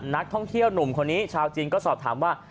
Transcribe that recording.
นักท่องเที่ยวหนุ่มคนนี้ชาวจีนก็สอบถามว่า